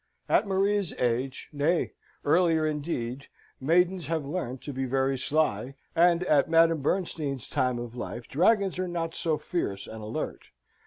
At Maria's age, nay, earlier indeed, maidens have learnt to be very sly, and at Madame Bernstein's time of life dragons are not so fierce and alert.